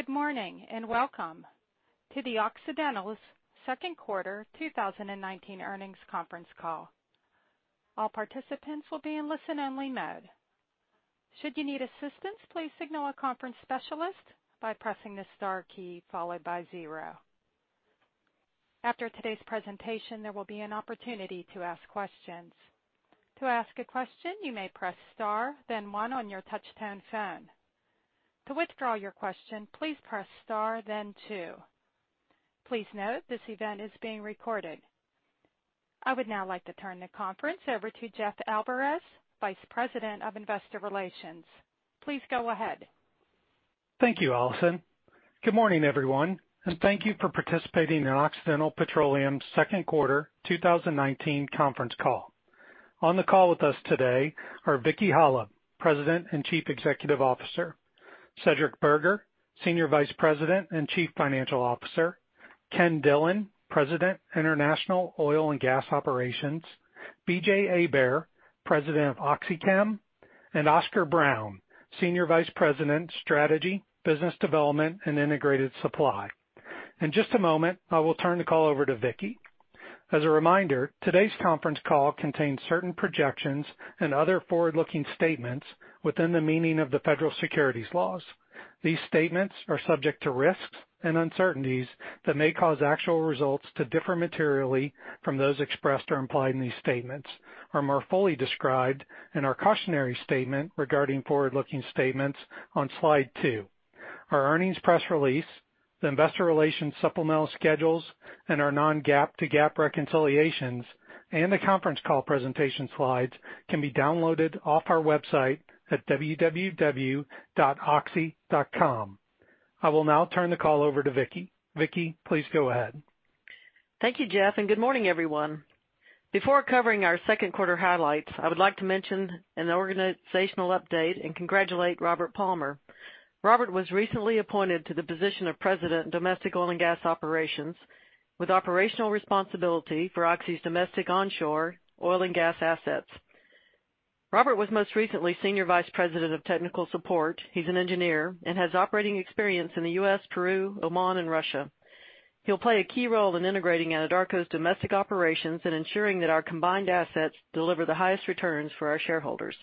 Good morning, and welcome to the Occidental's second quarter 2019 earnings conference call. All participants will be in listen-only mode. Should you need assistance, please signal a conference specialist by pressing the star key followed by zero. After today's presentation, there will be an opportunity to ask questions. To ask a question, you may press star, then one on your touch-tone phone. To withdraw your question, please press star, then two. Please note, this event is being recorded. I would now like to turn the conference over to Jeff Alvarez, Vice President of Investor Relations. Please go ahead. Thank you, Alison. Good morning, everyone, and thank you for participating in Occidental Petroleum's second quarter 2019 conference call. On the call with us today are Vicki Hollub, President and Chief Executive Officer, Cedric Burgher, Senior Vice President and Chief Financial Officer, Ken Dillon, President, International Oil and Gas Operations, B.J. Hebert, President of OxyChem, and Oscar Brown, Senior Vice President, Strategy, Business Development, and Integrated Supply. In just a moment, I will turn the call over to Vicki. As a reminder, today's conference call contains certain projections and other forward-looking statements within the meaning of the federal securities laws. These statements are subject to risks and uncertainties that may cause actual results to differ materially from those expressed or implied in these statements, and are fully described in our cautionary statement regarding forward-looking statements on slide two. Our earnings press release, the investor relations supplemental schedules, and our non-GAAP to GAAP reconciliations, and the conference call presentation slides can be downloaded off our website at www.oxy.com. I will now turn the call over to Vicki. Vicki, please go ahead. Thank you, Jeff, and good morning, everyone. Before covering our second quarter highlights, I would like to mention an organizational update and congratulate Robert Palmer. Robert was recently appointed to the position of President, Domestic Oil and Gas Operations, with operational responsibility for Oxy's domestic onshore oil and gas assets. Robert was most recently Senior Vice President of Technical Support. He's an engineer, and has operating experience in the U.S., Peru, Oman, and Russia. He'll play a key role in integrating Anadarko's domestic operations and ensuring that our combined assets deliver the highest returns for our shareholders.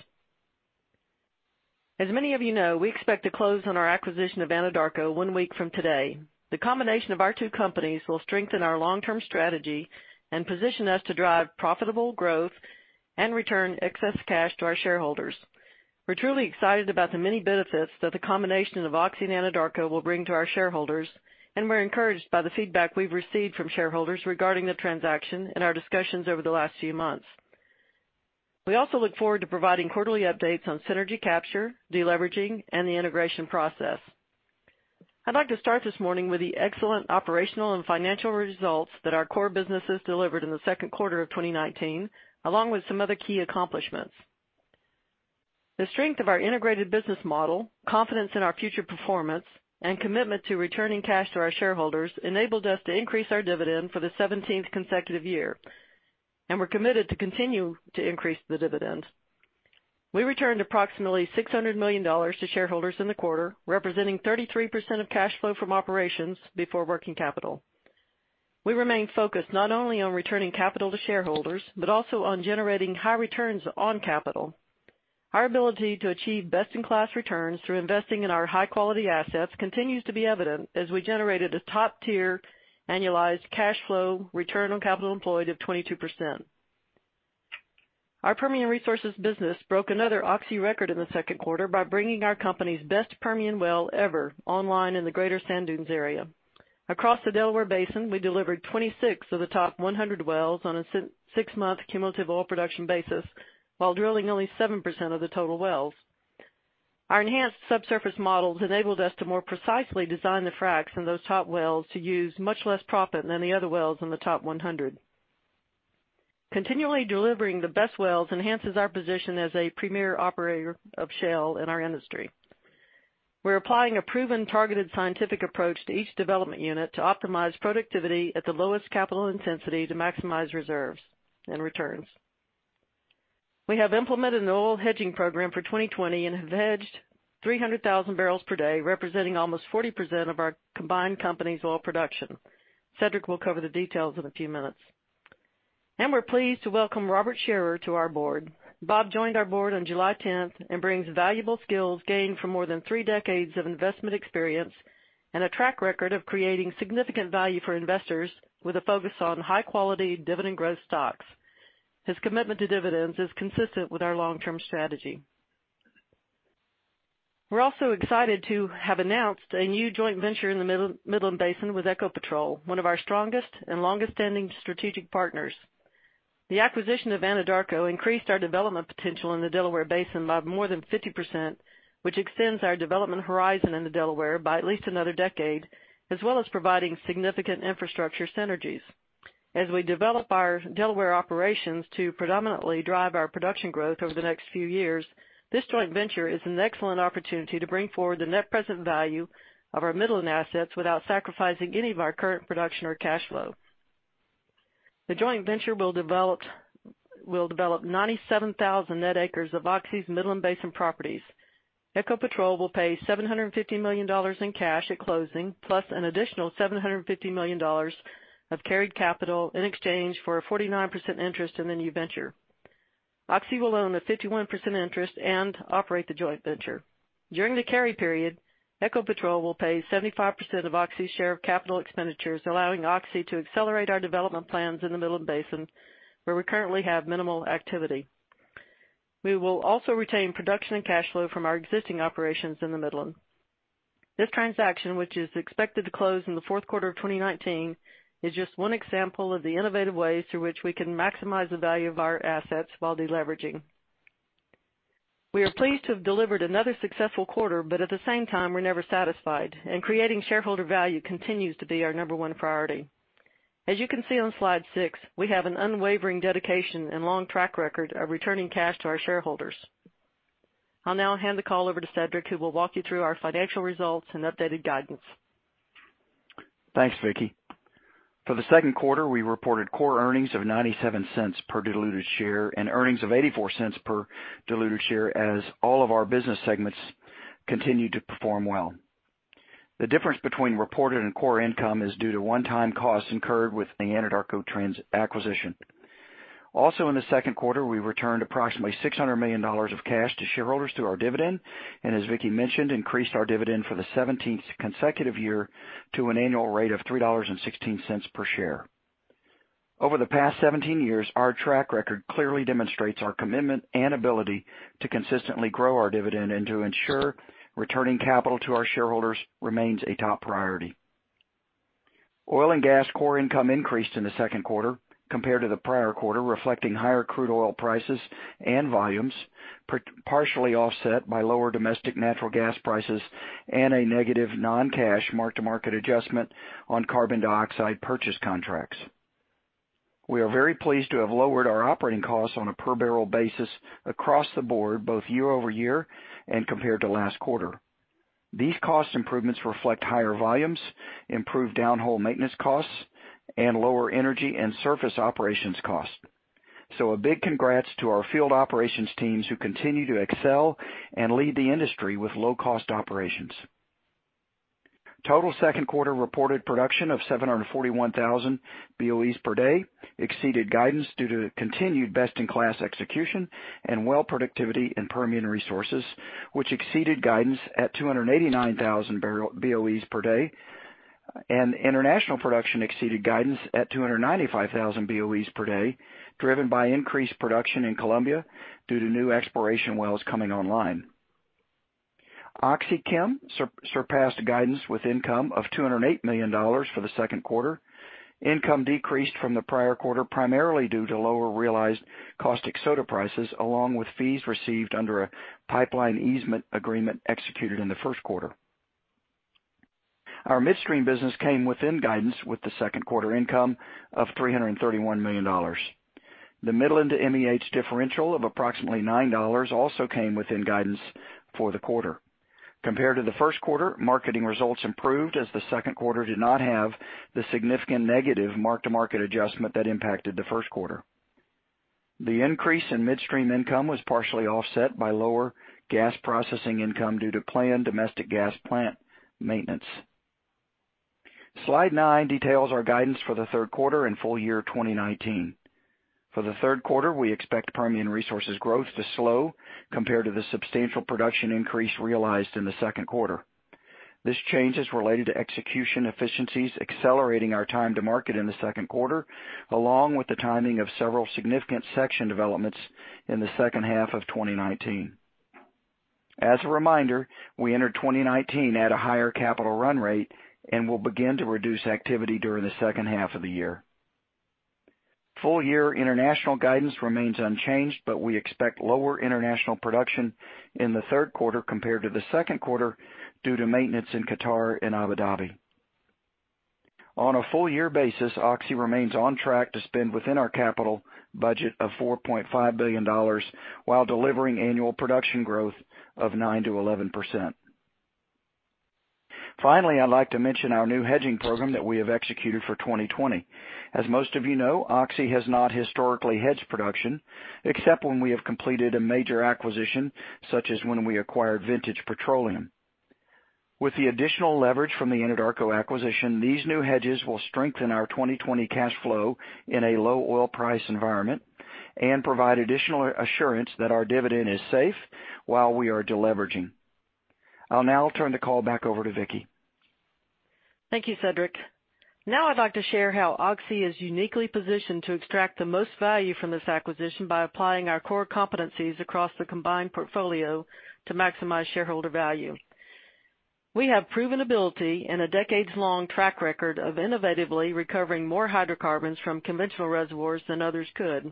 As many of you know, we expect to close on our acquisition of Anadarko one week from today. The combination of our two companies will strengthen our long-term strategy and position us to drive profitable growth and return excess cash to our shareholders. We're truly excited about the many benefits that the combination of Oxy and Anadarko will bring to our shareholders, and we're encouraged by the feedback we've received from shareholders regarding the transaction in our discussions over the last few months. We also look forward to providing quarterly updates on synergy capture, de-leveraging, and the integration process. I'd like to start this morning with the excellent operational and financial results that our core businesses delivered in the second quarter of 2019, along with some other key accomplishments. The strength of our integrated business model, confidence in our future performance, and commitment to returning cash to our shareholders enabled us to increase our dividend for the 17th consecutive year, and we're committed to continue to increase the dividend. We returned approximately $600 million to shareholders in the quarter, representing 33% of cash flow from operations before working capital. We remain focused not only on returning capital to shareholders, but also on generating high returns on capital. Our ability to achieve best-in-class returns through investing in our high-quality assets continues to be evident as we generated a top-tier annualized cash flow return on capital employed of 22%. Our Permian Resources business broke another Oxy record in the second quarter by bringing our company's best Permian well ever online in the Greater Sand Dunes area. Across the Delaware Basin, we delivered 26 of the top 100 wells on a six-month cumulative oil production basis while drilling only 7% of the total wells. Our enhanced subsurface models enabled us to more precisely design the fracs in those top wells to use much less proppant than the other wells in the top 100. Continually delivering the best wells enhances our position as a premier operator of shale in our industry. We're applying a proven targeted scientific approach to each development unit to optimize productivity at the lowest capital intensity to maximize reserves and returns. We have implemented an oil hedging program for 2020 and have hedged 300,000 barrels per day, representing almost 40% of our combined company's oil production. Cedric will cover the details in a few minutes. We're pleased to welcome Robert Shearer to our board. Bob joined our board on July 10th and brings valuable skills gained from more than three decades of investment experience and a track record of creating significant value for investors with a focus on high-quality dividend growth stocks. His commitment to dividends is consistent with our long-term strategy. We're also excited to have announced a new joint venture in the Midland Basin with Ecopetrol, one of our strongest and longest-standing strategic partners. The acquisition of Anadarko increased our development potential in the Delaware Basin by more than 50%, which extends our development horizon in the Delaware by at least another decade, as well as providing significant infrastructure synergies. As we develop our Delaware operations to predominantly drive our production growth over the next few years, this joint venture is an excellent opportunity to bring forward the net present value of our Midland assets without sacrificing any of our current production or cash flow. The joint venture will develop 97,000 net acres of Oxy's Midland Basin properties. Ecopetrol will pay $750 million in cash at closing, plus an additional $750 million of carried capital in exchange for a 49% interest in the new venture. Oxy will own a 51% interest and operate the joint venture. During the carry period, Ecopetrol will pay 75% of Oxy's share of capital expenditures, allowing Oxy to accelerate our development plans in the Midland Basin, where we currently have minimal activity. We will also retain production and cash flow from our existing operations in the Midland. This transaction, which is expected to close in the fourth quarter of 2019, is just one example of the innovative ways through which we can maximize the value of our assets while de-leveraging. We are pleased to have delivered another successful quarter, but at the same time, we're never satisfied, and creating shareholder value continues to be our number one priority. As you can see on slide six, we have an unwavering dedication and long track record of returning cash to our shareholders. I'll now hand the call over to Cedric, who will walk you through our financial results and updated guidance. Thanks, Vicki. For the second quarter, we reported core earnings of $0.97 per diluted share and earnings of $0.84 per diluted share as all of our business segments continued to perform well. The difference between reported and core income is due to one-time costs incurred with the Anadarko acquisition. Also in the second quarter, we returned approximately $600 million of cash to shareholders through our dividend, and as Vicki mentioned, increased our dividend for the 17th consecutive year to an annual rate of $3.16 per share. Over the past 17 years, our track record clearly demonstrates our commitment and ability to consistently grow our dividend and to ensure returning capital to our shareholders remains a top priority. Oil and gas core income increased in the second quarter compared to the prior quarter, reflecting higher crude oil prices and volumes, partially offset by lower domestic natural gas prices and a negative non-cash mark-to-market adjustment on carbon dioxide purchase contracts. We are very pleased to have lowered our operating costs on a per-barrel basis across the board, both year-over-year and compared to last quarter. These cost improvements reflect higher volumes, improved downhole maintenance costs, and lower energy and surface operations cost. A big congrats to our field operations teams, who continue to excel and lead the industry with low-cost operations. Total second quarter reported production of 741,000 BOEs per day exceeded guidance due to continued best-in-class execution and well productivity in Permian Resources, which exceeded guidance at 289,000 BOEs per day, and international production exceeded guidance at 295,000 BOEs per day, driven by increased production in Colombia due to new exploration wells coming online. OxyChem surpassed guidance with income of $208 million for the second quarter. Income decreased from the prior quarter, primarily due to lower realized caustic soda prices, along with fees received under a pipeline easement agreement executed in the first quarter. Our midstream business came within guidance with the second quarter income of $331 million. The Midland to MEH differential of approximately $9 also came within guidance for the quarter. Compared to the first quarter, marketing results improved as the second quarter did not have the significant negative mark-to-market adjustment that impacted the first quarter. The increase in midstream income was partially offset by lower gas processing income due to planned domestic gas plant maintenance. Slide nine details our guidance for the third quarter and full year 2019. For the third quarter, we expect Permian Resources growth to slow compared to the substantial production increase realized in the second quarter. This change is related to execution efficiencies accelerating our time to market in the second quarter, along with the timing of several significant section developments in the second half of 2019. As a reminder, we entered 2019 at a higher capital run rate and will begin to reduce activity during the second half of the year. Full year international guidance remains unchanged, but we expect lower international production in the third quarter compared to the second quarter due to maintenance in Qatar and Abu Dhabi. On a full year basis, Oxy remains on track to spend within our capital budget of $4.5 billion, while delivering annual production growth of 9%-11%. Finally, I'd like to mention our new hedging program that we have executed for 2020. As most of you know, Oxy has not historically hedged production, except when we have completed a major acquisition, such as when we acquired Vintage Petroleum. With the additional leverage from the Anadarko acquisition, these new hedges will strengthen our 2020 cash flow in a low oil price environment and provide additional assurance that our dividend is safe while we are de-leveraging. I'll now turn the call back over to Vicki. Thank you, Cedric. Now I'd like to share how Oxy is uniquely positioned to extract the most value from this acquisition by applying our core competencies across the combined portfolio to maximize shareholder value. We have proven ability and a decades-long track record of innovatively recovering more hydrocarbons from conventional reservoirs than others could.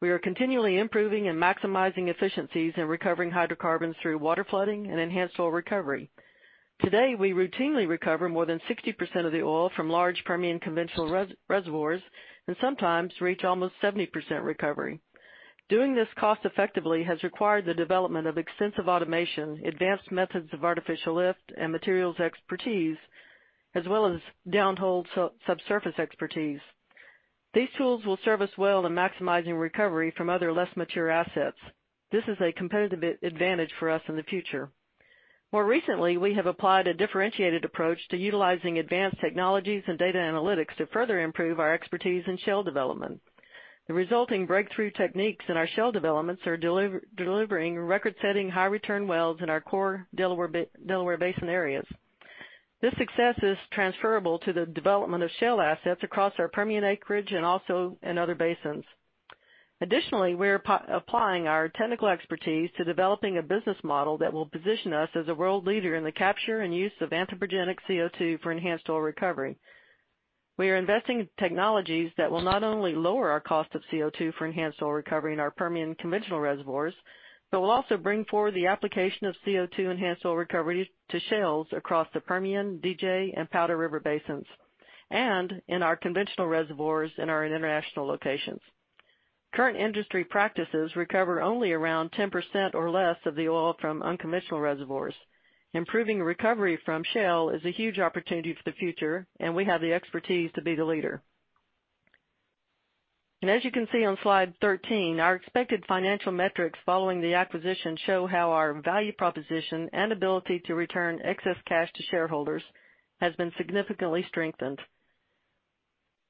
We are continually improving and maximizing efficiencies in recovering hydrocarbons through water flooding and enhanced oil recovery. Today, we routinely recover more than 60% of the oil from large Permian conventional reservoirs and sometimes reach almost 70% recovery. Doing this cost effectively has required the development of extensive automation, advanced methods of artificial lift, and materials expertise, as well as downhole subsurface expertise. These tools will serve us well in maximizing recovery from other less mature assets. This is a competitive advantage for us in the future. More recently, we have applied a differentiated approach to utilizing advanced technologies and data analytics to further improve our expertise in shale development. The resulting breakthrough techniques in our shale developments are delivering record-setting high return wells in our core Delaware Basin areas. This success is transferable to the development of shale assets across our Permian acreage and also in other basins. Additionally, we're applying our technical expertise to developing a business model that will position us as a world leader in the capture and use of anthropogenic CO2 for enhanced oil recovery. We are investing in technologies that will not only lower our cost of CO2 for enhanced oil recovery in our Permian conventional reservoirs, but will also bring forward the application of CO2 enhanced oil recovery to shales across the Permian, DJ, and Powder River basins, and in our conventional reservoirs in our international locations. Current industry practices recover only around 10% or less of the oil from unconventional reservoirs. Improving recovery from shale is a huge opportunity for the future, and we have the expertise to be the leader. As you can see on slide 13, our expected financial metrics following the acquisition show how our value proposition and ability to return excess cash to shareholders has been significantly strengthened.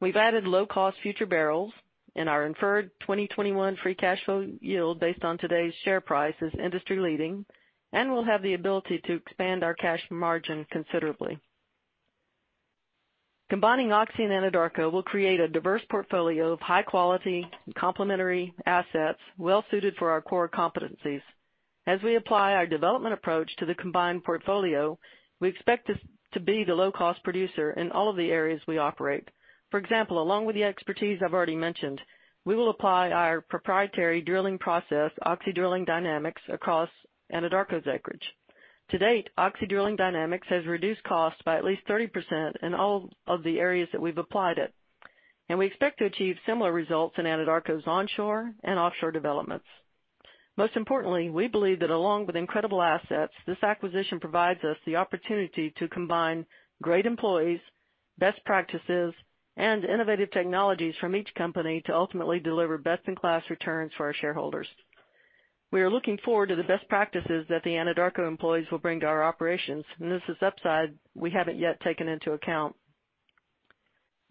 We've added low-cost future barrels, and our inferred 2021 free cash flow yield based on today's share price is industry leading, and we'll have the ability to expand our cash margin considerably. Combining Oxy and Anadarko will create a diverse portfolio of high-quality and complementary assets well suited for our core competencies. As we apply our development approach to the combined portfolio, we expect this to be the low-cost producer in all of the areas we operate. For example, along with the expertise I've already mentioned, we will apply our proprietary drilling process, Oxy Drilling Dynamics, across Anadarko's acreage. To date, Oxy Drilling Dynamics has reduced costs by at least 30% in all of the areas that we've applied it. We expect to achieve similar results in Anadarko's onshore and offshore developments. Most importantly, we believe that along with incredible assets, this acquisition provides us the opportunity to combine great employees, best practices, and innovative technologies from each company to ultimately deliver best-in-class returns for our shareholders. We are looking forward to the best practices that the Anadarko employees will bring to our operations, and this is upside we haven't yet taken into account.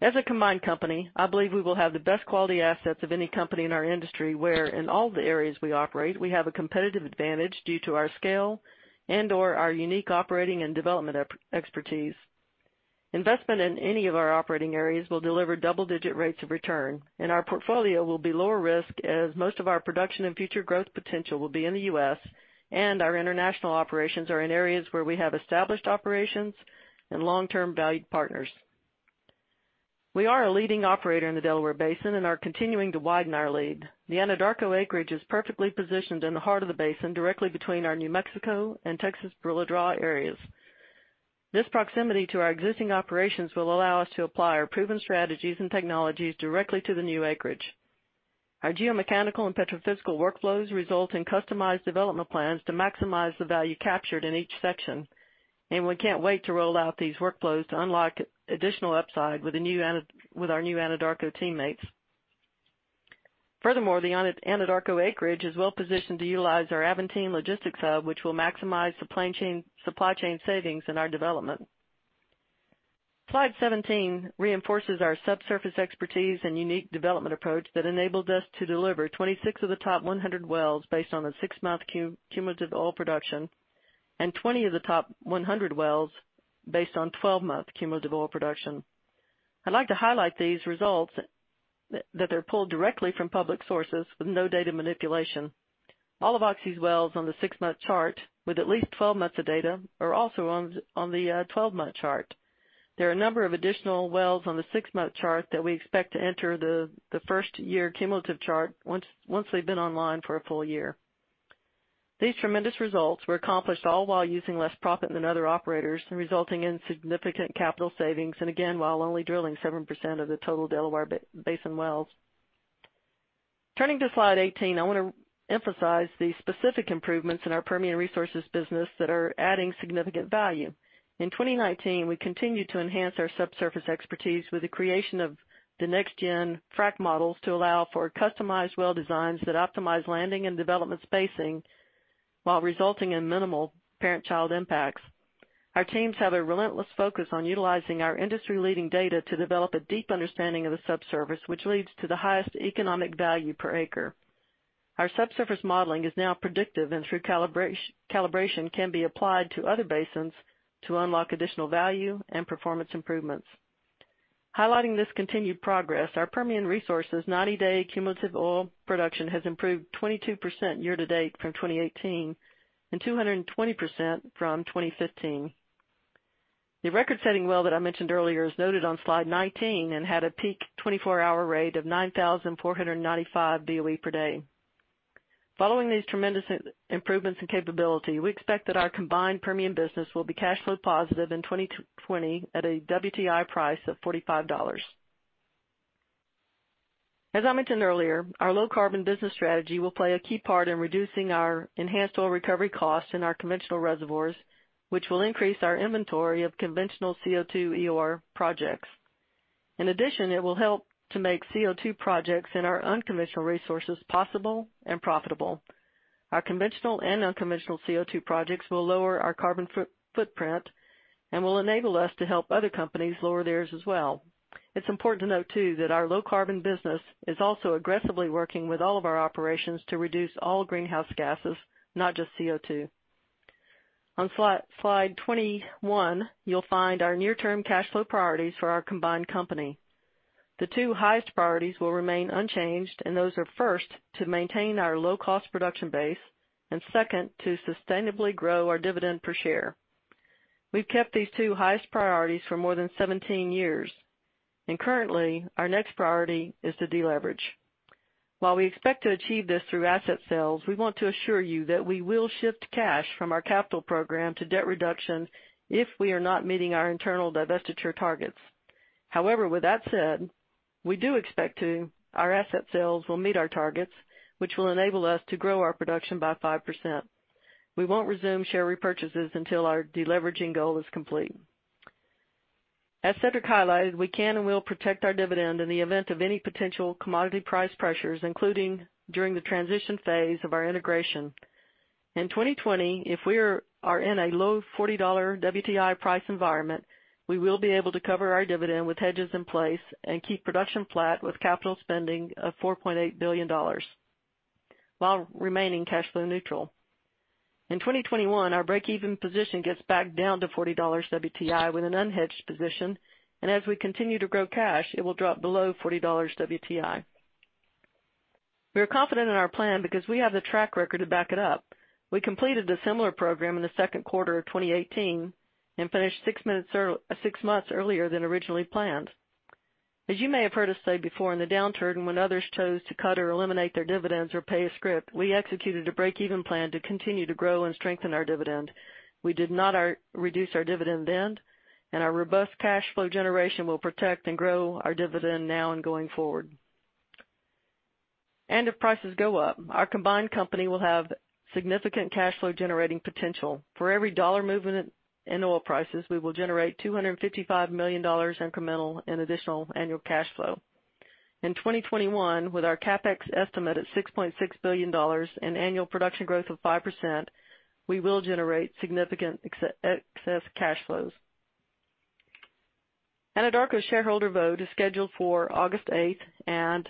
As a combined company, I believe we will have the best quality assets of any company in our industry, where in all the areas we operate, we have a competitive advantage due to our scale and/or our unique operating and development expertise. Investment in any of our operating areas will deliver double-digit rates of return, and our portfolio will be lower risk as most of our production and future growth potential will be in the U.S., and our international operations are in areas where we have established operations and long-term valued partners. We are a leading operator in the Delaware Basin and are continuing to widen our lead. The Anadarko acreage is perfectly positioned in the heart of the basin, directly between our New Mexico and Texas Barilla Draw areas. This proximity to our existing operations will allow us to apply our proven strategies and technologies directly to the new acreage. Our geomechanical and petrophysical workflows result in customized development plans to maximize the value captured in each section, and we can't wait to roll out these workflows to unlock additional upside with our new Anadarko teammates. Furthermore, the Anadarko acreage is well positioned to utilize our Aventine logistics hub, which will maximize supply chain savings in our development. Slide 17 reinforces our subsurface expertise and unique development approach that enabled us to deliver 26 of the top 100 wells based on the six-month cumulative oil production and 20 of the top 100 wells based on 12-month cumulative oil production. I'd like to highlight these results that are pulled directly from public sources with no data manipulation. All of Oxy's wells on the six-month chart with at least 12 months of data are also on the 12-month chart. There are a number of additional wells on the six-month chart that we expect to enter the first-year cumulative chart once they've been online for a full year. These tremendous results were accomplished all while using less proppant than other operators and resulting in significant capital savings, and again, while only drilling 7% of the total Delaware Basin wells. Turning to slide 18, I want to emphasize the specific improvements in our Permian Resources business that are adding significant value. In 2019, we continued to enhance our subsurface expertise with the creation of the next-gen frac models to allow for customized well designs that optimize landing and development spacing while resulting in minimal parent-child impacts. Our teams have a relentless focus on utilizing our industry-leading data to develop a deep understanding of the subsurface, which leads to the highest economic value per acre. Our subsurface modeling is now predictive and through calibration can be applied to other basins to unlock additional value and performance improvements. Highlighting this continued progress, our Permian Resources 90-day cumulative oil production has improved 22% year to date from 2018 and 220% from 2015. The record-setting well that I mentioned earlier is noted on slide 19 and had a peak 24-hour rate of 9,495 BOE per day. Following these tremendous improvements in capability, we expect that our combined Permian business will be cash flow positive in 2020 at a WTI price of $45. As I mentioned earlier, our low-carbon business strategy will play a key part in reducing our enhanced oil recovery costs in our conventional reservoirs, which will increase our inventory of conventional CO2 EOR projects. In addition, it will help to make CO2 projects in our unconventional resources possible and profitable. Our conventional and unconventional CO2 projects will lower our carbon footprint and will enable us to help other companies lower theirs as well. It's important to note too, that our low-carbon business is also aggressively working with all of our operations to reduce all greenhouse gases, not just CO2. On slide 21, you'll find our near-term cash flow priorities for our combined company. The two highest priorities will remain unchanged, and those are first, to maintain our low-cost production base, and second, to sustainably grow our dividend per share. We've kept these two highest priorities for more than 17 years, and currently, our next priority is to deleverage. While we expect to achieve this through asset sales, we want to assure you that we will shift cash from our capital program to debt reduction if we are not meeting our internal divestiture targets. However, with that said, we do expect our asset sales will meet our targets, which will enable us to grow our production by 5%. We won't resume share repurchases until our deleveraging goal is complete. As Cedric highlighted, we can and will protect our dividend in the event of any potential commodity price pressures, including during the transition phase of our integration. In 2020, if we are in a low $40 WTI price environment, we will be able to cover our dividend with hedges in place and keep production flat with capital spending of $4.8 billion, while remaining cash flow neutral. In 2021, our break-even position gets back down to $40 WTI with an unhedged position, and as we continue to grow cash, it will drop below $40 WTI. We are confident in our plan because we have the track record to back it up. We completed a similar program in the second quarter of 2018 and finished six months earlier than originally planned. As you may have heard us say before, in the downturn, when others chose to cut or eliminate their dividends or pay a scrip, we executed a break-even plan to continue to grow and strengthen our dividend. We did not reduce our dividend then, our robust cash flow generation will protect and grow our dividend now and going forward. If prices go up, our combined company will have significant cash flow-generating potential. For every dollar movement in oil prices, we will generate $255 million incremental in additional annual cash flow. In 2021, with our CapEx estimate at $6.6 billion and annual production growth of 5%, we will generate significant excess cash flows. Anadarko's shareholder vote is scheduled for August 8th.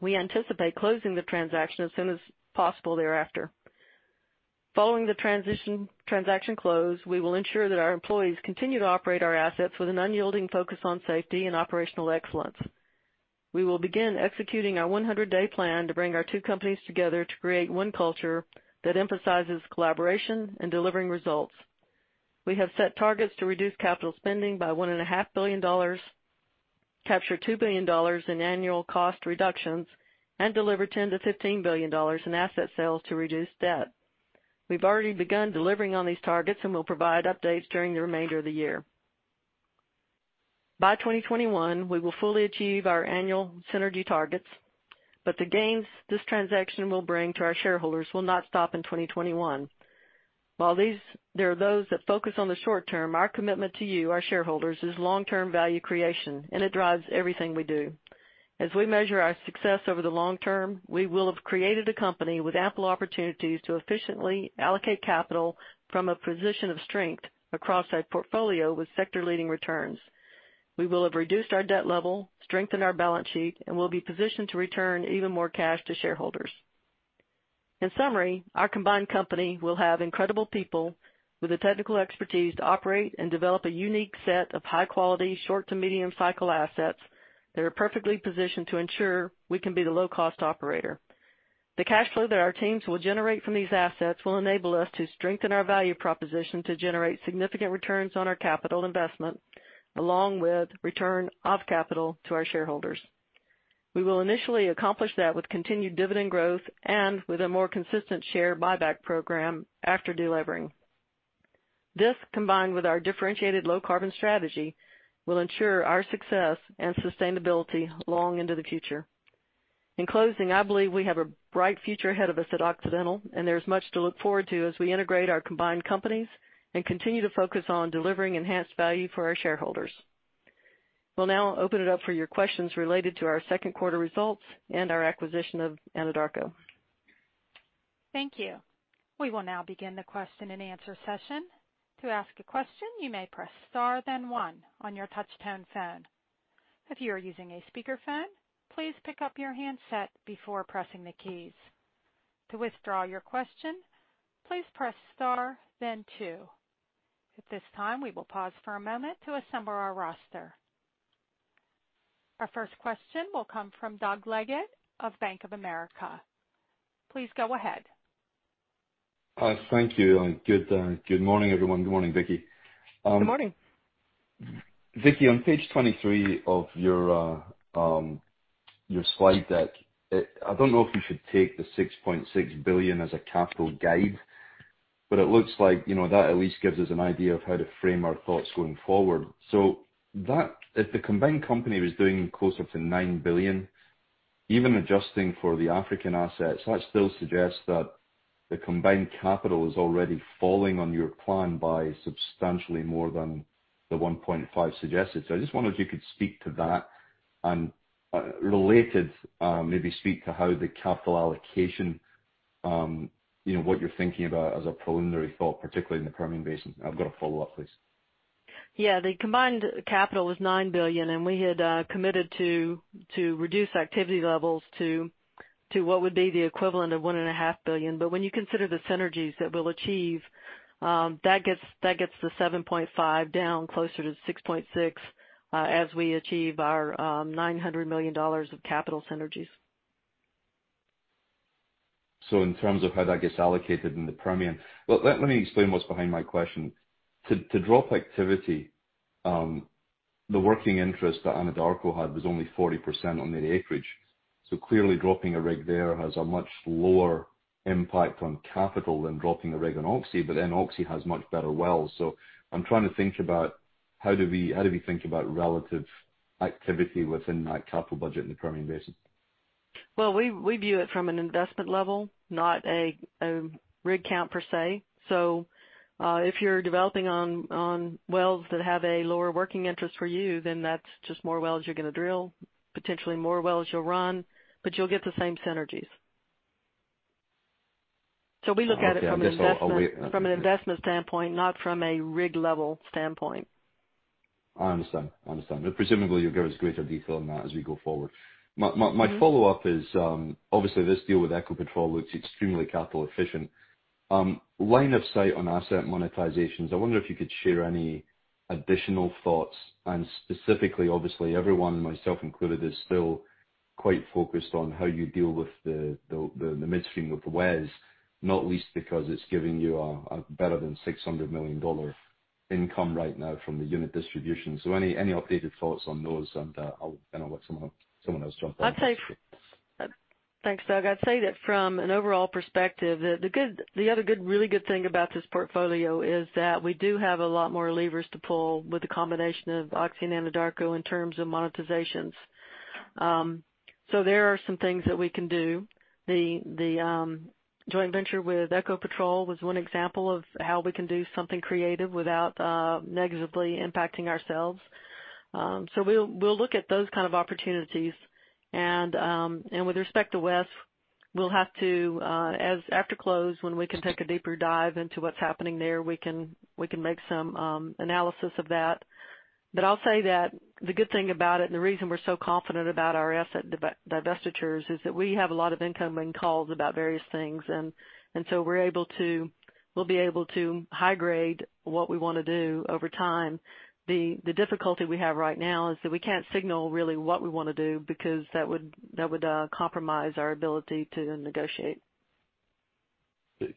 We anticipate closing the transaction as soon as possible thereafter. Following the transaction close, we will ensure that our employees continue to operate our assets with an unyielding focus on safety and operational excellence. We will begin executing our 100-day plan to bring our two companies together to create one culture that emphasizes collaboration and delivering results. We have set targets to reduce capital spending by $1.5 billion, capture $2 billion in annual cost reductions, and deliver $10 billion-$15 billion in asset sales to reduce debt. We've already begun delivering on these targets and will provide updates during the remainder of the year. By 2021, we will fully achieve our annual synergy targets. The gains this transaction will bring to our shareholders will not stop in 2021. While there are those that focus on the short term, our commitment to you, our shareholders, is long-term value creation, and it drives everything we do. As we measure our success over the long term, we will have created a company with ample opportunities to efficiently allocate capital from a position of strength across our portfolio with sector-leading returns. We will have reduced our debt level, strengthened our balance sheet, and will be positioned to return even more cash to shareholders. In summary, our combined company will have incredible people with the technical expertise to operate and develop a unique set of high-quality, short to medium cycle assets that are perfectly positioned to ensure we can be the low-cost operator. The cash flow that our teams will generate from these assets will enable us to strengthen our value proposition to generate significant returns on our capital investment, along with return of capital to our shareholders. We will initially accomplish that with continued dividend growth and with a more consistent share buyback program after deleveraging. This, combined with our differentiated low-carbon strategy, will ensure our success and sustainability long into the future. In closing, I believe we have a bright future ahead of us at Occidental, and there's much to look forward to as we integrate our combined companies and continue to focus on delivering enhanced value for our shareholders. We'll now open it up for your questions related to our second quarter results and our acquisition of Anadarko. Thank you. We will now begin the question and answer session. To ask a question, you may press star then one on your touchtone phone. If you are using a speakerphone, please pick up your handset before pressing the keys. To withdraw your question, please press star then two. At this time, we will pause for a moment to assemble our roster. Our first question will come from Doug Leggate of Bank of America. Please go ahead. Hi. Thank you, and good morning, everyone. Good morning, Vicki. Good morning. Vicki, on page 23 of your slide deck, I don't know if you should take the $6.6 billion as a capital guide. It looks like that at least gives us an idea of how to frame our thoughts going forward. If the combined company was doing closer to $9 billion, even adjusting for the African assets, that still suggests that the combined capital is already falling on your plan by substantially more than the $1.5 suggested. I just wondered if you could speak to that, and related, maybe speak to how the capital allocation, what you're thinking about as a preliminary thought, particularly in the Permian Basin. I've got a follow-up, please. Yeah. The combined capital was $9 billion. We had committed to reduce activity levels to what would be the equivalent of $1.5 billion. When you consider the synergies that we'll achieve, that gets the $7.5 billion down closer to $6.6 billion as we achieve our $900 million of capital synergies. In terms of how that gets allocated in the Permian. Let me explain what's behind my question. To drop activity, the working interest that Anadarko had was only 40% on their acreage. Clearly dropping a rig there has a much lower impact on capital than dropping a rig on Oxy, but then Oxy has much better wells. I'm trying to think about how do we think about relative activity within that capital budget in the Permian Basin? Well, we view it from an investment level, not a rig count per se. If you're developing on wells that have a lower working interest for you, then that's just more wells you're going to drill, potentially more wells you'll run, but you'll get the same synergies. We look at it Okay. I guess I'll wait from an investment standpoint, not from a rig level standpoint. I understand. Presumably, you'll give us greater detail on that as we go forward. My follow-up is, obviously, this deal with Ecopetrol looks extremely capital efficient. Line of sight on asset monetizations, I wonder if you could share any additional thoughts, and specifically, obviously, everyone, myself included, is still quite focused on how you deal with the midstream of the WES, not least because it's giving you a better than $600 million income right now from the unit distribution? Any updated thoughts on those, and I'll let someone else jump in? Thanks, Doug. I'd say that from an overall perspective, the other really good thing about this portfolio is that we do have a lot more levers to pull with the combination of Oxy and Anadarko in terms of monetizations. There are some things that we can do. The joint venture with Ecopetrol was one example of how we can do something creative without negatively impacting ourselves. We'll look at those kind of opportunities. With respect to WES, after close, when we can take a deeper dive into what's happening there, we can make some analysis of that. I'll say that the good thing about it, and the reason we're so confident about our asset divestitures, is that we have a lot of incoming calls about various things. We'll be able to high-grade what we want to do over time. The difficulty we have right now is that we can't signal really what we want to do, because that would compromise our ability to negotiate.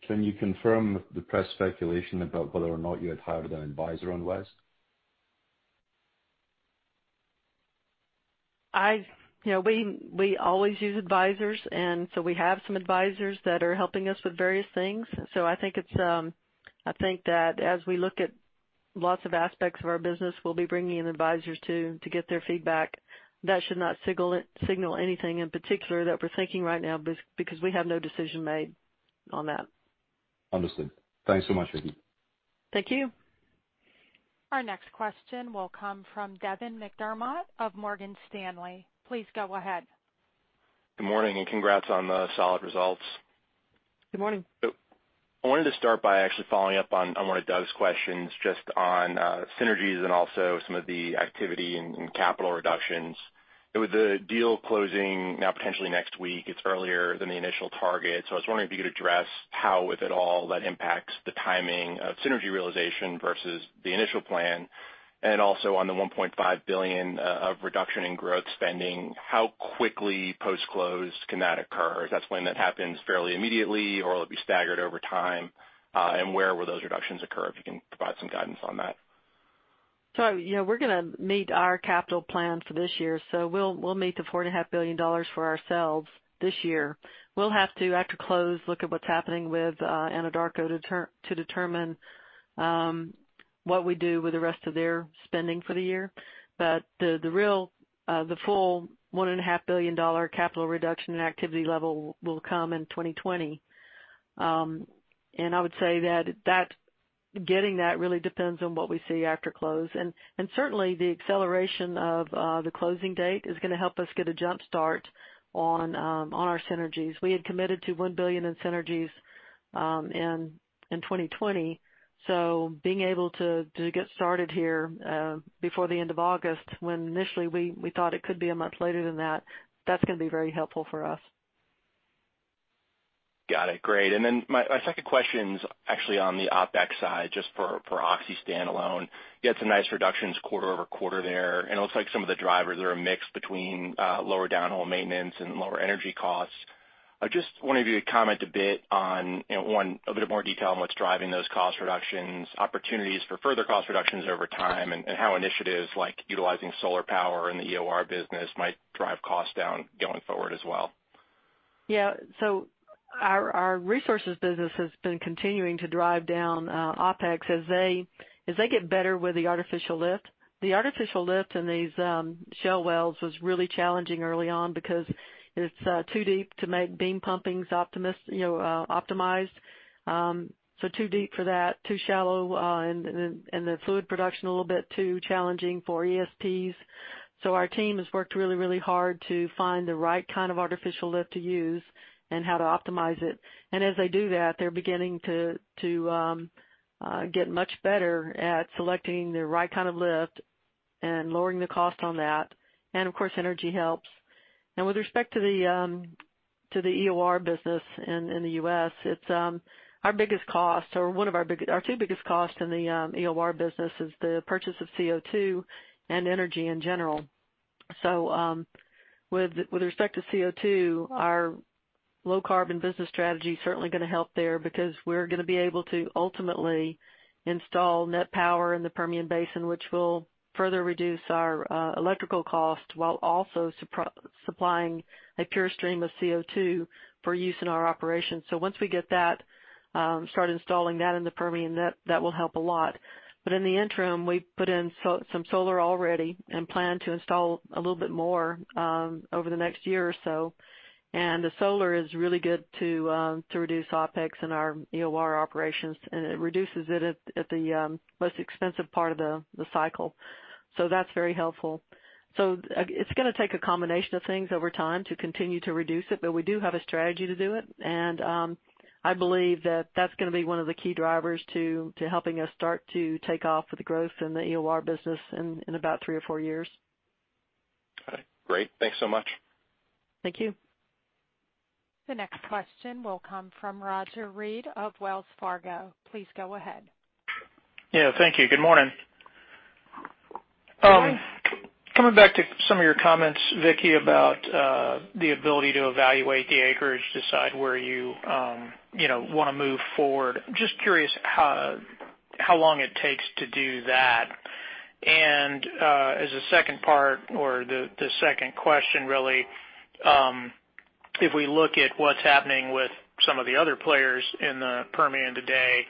Can you confirm the press speculation about whether or not you had hired an advisor on WES? We always use advisors, and so we have some advisors that are helping us with various things. I think that as we look at lots of aspects of our business, we'll be bringing in advisors to get their feedback. That should not signal anything in particular that we're thinking right now, because we have no decision made on that. Understood. Thanks so much, Vicki. Thank you. Our next question will come from Devin McDermott of Morgan Stanley. Please go ahead. Good morning. Congrats on the solid results. Good morning. I wanted to start by actually following up on one of Doug's questions just on synergies and also some of the activity in capital reductions. With the deal closing now potentially next week, it's earlier than the initial target. I was wondering if you could address how, with it all, that impacts the timing of synergy realization versus the initial plan. Also on the $1.5 billion of reduction in growth spending, how quickly post-close can that occur? Is that something that happens fairly immediately, or will it be staggered over time? Where will those reductions occur, if you can provide some guidance on that? Yeah, we're going to meet our capital plan for this year. We'll meet the $4.5 billion for ourselves this year. We'll have to, after close, look at what's happening with Anadarko to determine what we do with the rest of their spending for the year. The full $1.5 billion capital reduction and activity level will come in 2020. I would say that getting that really depends on what we see after close. Certainly, the acceleration of the closing date is going to help us get a jump start on our synergies. We had committed to $1 billion in synergies in 2020. Being able to get started here before the end of August, when initially we thought it could be a month later than that's going to be very helpful for us. Got it. Great. My second question's actually on the OpEx side, just for Oxy standalone. You had some nice reductions quarter-over-quarter there, and it looks like some of the drivers are a mix between lower downhole maintenance and lower energy costs. I just wanted you to comment a bit on, one, a bit more detail on what's driving those cost reductions, opportunities for further cost reductions over time, and how initiatives like utilizing solar power in the EOR business might drive costs down going forward as well. So our resources business has been continuing to drive down OpEx as they get better with the artificial lift. The artificial lift in these shale wells was really challenging early on because it's too deep to make beam pumping optimized. Too deep for that, too shallow, and the fluid production a little bit too challenging for ESPs. Our team has worked really hard to find the right kind of artificial lift to use and how to optimize it. As they do that, they're beginning to get much better at selecting the right kind of lift and lowering the cost on that. Of course, energy helps. Now, with respect to the EOR business in the U.S., our two biggest costs in the EOR business is the purchase of CO2 and energy in general. With respect to CO2, our low carbon business strategy is certainly going to help there, because we're going to be able to ultimately install NET Power in the Permian Basin, which will further reduce our electrical cost while also supplying a pure stream of CO2 for use in our operations. Once we get that, start installing that in the Permian, that will help a lot. In the interim, we put in some solar already and plan to install a little bit more over the next year or so. The solar is really good to reduce OpEx in our EOR operations, and it reduces it at the most expensive part of the cycle. It's going to take a combination of things over time to continue to reduce it, but we do have a strategy to do it, and I believe that's going to be one of the key drivers to helping us start to take off with the growth in the EOR business in about three or four years. All right, great. Thanks so much. Thank you. The next question will come from Roger Read of Wells Fargo. Please go ahead. Yeah, thank you. Good morning. Good morning. Coming back to some of your comments, Vicki, about the ability to evaluate the acreage, decide where you want to move forward. Just curious how long it takes to do that. As a second part or the second question, really, if we look at what's happening with some of the other players in the Permian today,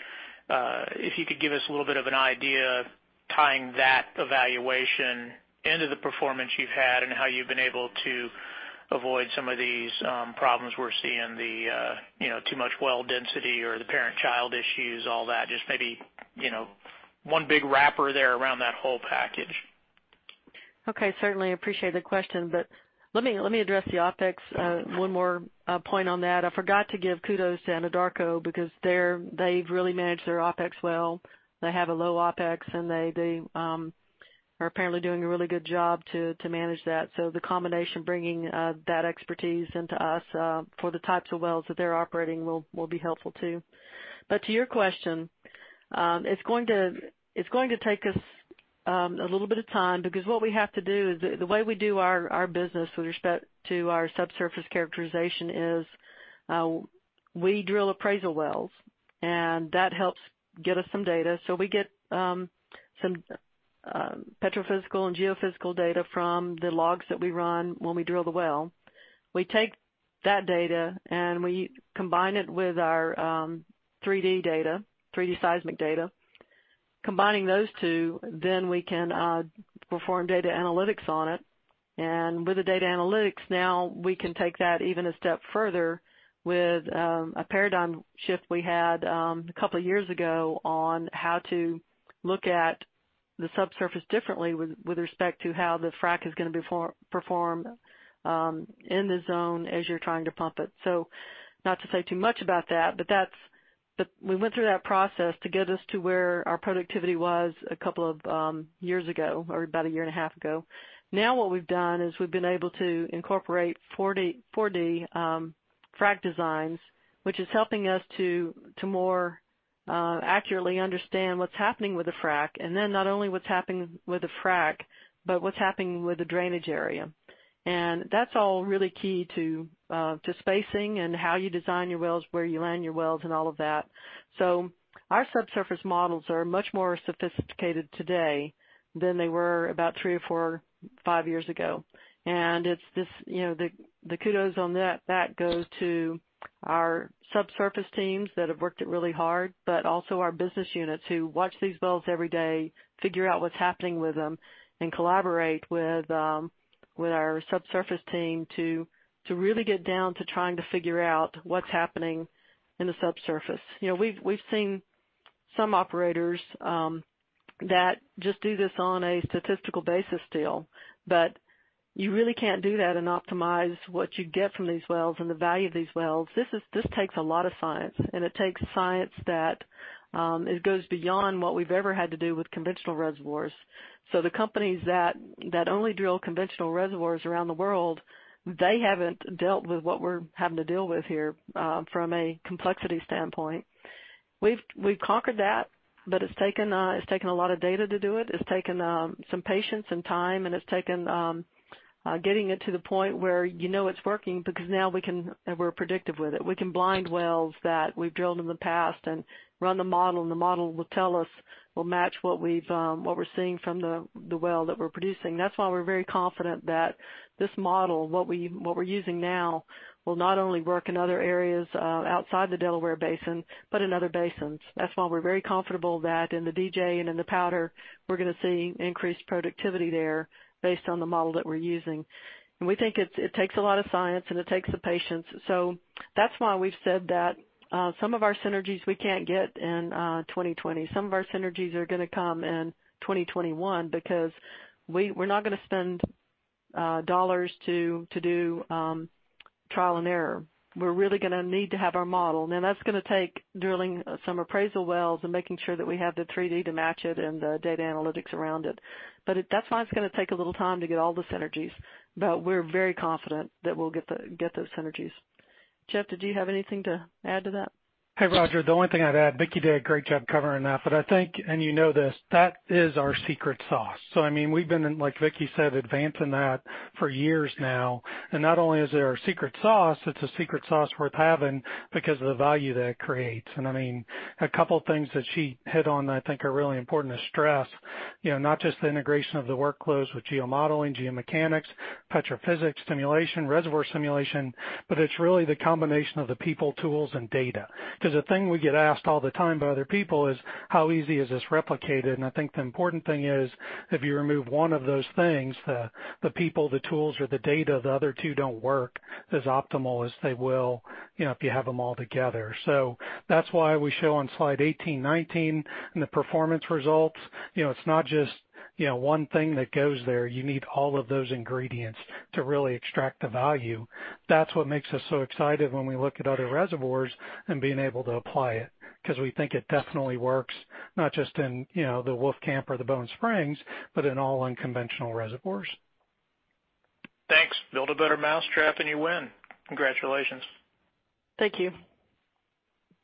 if you could give us a little bit of an idea tying that evaluation into the performance you've had and how you've been able to avoid some of these problems we're seeing, the too much well density or the parent-child issues, all that, just maybe one big wrapper there around that whole package. Okay. Certainly appreciate the question, but let me address the OpEx. One more point on that. I forgot to give kudos to Anadarko because they've really managed their OpEx well. They have a low OpEx, and they are apparently doing a really good job to manage that. The combination, bringing that expertise into us for the types of wells that they're operating will be helpful too. To your question, it's going to take us a little bit of time, because what we have to do is, the way we do our business with respect to our subsurface characterization is we drill appraisal wells, and that helps get us some data. We get some petrophysical and geophysical data from the logs that we run when we drill the well. We take that data, and we combine it with our 3D data, 3D seismic data. Combining those two, we can perform data analytics on it. With the data analytics, now we can take that even a step further with a paradigm shift we had a couple of years ago on how to look at the subsurface differently with respect to how the frack is going to perform in the zone as you're trying to pump it. Not to say too much about that, we went through that process to get us to where our productivity was a couple of years ago, or about a year and a half ago. Now what we've done is we've been able to incorporate 4D frack designs, which is helping us to more accurately understand what's happening with the frack, and then not only what's happening with the frack, but what's happening with the drainage area. That's all really key to spacing and how you design your wells, where you land your wells and all of that. Our subsurface models are much more sophisticated today than they were about three or four, five years ago. The kudos on that goes to our subsurface teams that have worked it really hard, but also our business units who watch these wells every day, figure out what's happening with them, and collaborate with our subsurface team to really get down to trying to figure out what's happening in the subsurface. We've seen some operators that just do this on a statistical basis still, but you really can't do that and optimize what you get from these wells and the value of these wells. This takes a lot of science, and it takes science that it goes beyond what we've ever had to do with conventional reservoirs. The companies that only drill conventional reservoirs around the world, they haven't dealt with what we're having to deal with here from a complexity standpoint. We've conquered that, but it's taken a lot of data to do it. It's taken some patience and time, and it's taken getting it to the point where you know it's working, because now we're predictive with it. We can blind wells that we've drilled in the past and run the model, and the model will tell us, match what we're seeing from the well that we're producing. That's why we're very confident that this model, what we're using now, will not only work in other areas outside the Delaware Basin, but in other basins. That's why we're very comfortable that in the DJ and in the Powder, we're going to see increased productivity there based on the model that we're using. We think it takes a lot of science, and it takes the patience. That's why we've said that some of our synergies we can't get in 2020. Some of our synergies are going to come in 2021, because we're not going to spend dollars to do trial and error. We're really going to need to have our model. That's going to take drilling some appraisal wells and making sure that we have the 3D to match it and the data analytics around it. That's why it's going to take a little time to get all the synergies. We're very confident that we'll get those synergies. Jeff, did you have anything to add to that? Hey, Roger, the only thing I'd add, Vicki did a great job covering that, but I think, and you know this, that is our secret sauce. We've been, like Vicki said, advancing that for years now. Not only is it our secret sauce, it's a secret sauce worth having because of the value that it creates. A couple of things that she hit on that I think are really important to stress, not just the integration of the workflows with geomodeling, geomechanics, petrophysics simulation, reservoir simulation, but it's really the combination of the people, tools, and data. The thing we get asked all the time by other people is, how easy is this replicated? I think the important thing is, if you remove one of those things, the people, the tools, or the data, the other two don't work as optimal as they will if you have them all together. That's why we show on slide 18, 19, in the performance results, it's not just one thing that goes there. You need all of those ingredients to really extract the value. That's what makes us so excited when we look at other reservoirs and being able to apply it, because we think it definitely works, not just in the Wolfcamp or the Bone Spring, but in all unconventional reservoirs. Thanks. Build a better mousetrap and you win. Congratulations. Thank you.